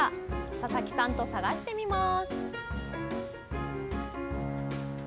佐々木さんと探してみます。